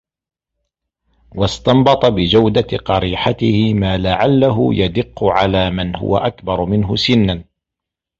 وَاسْتَنْبَطَ بِجَوْدَةِ قَرِيحَتِهِ مَا لَعَلَّهُ يَدِقُّ عَلَى مَنْ هُوَ أَكْبَرُ مِنْهُ سِنًّا